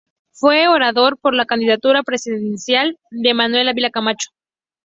Fue orador por la candidatura presidencial de Manuel Ávila Camacho.